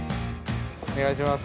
◆お願いします。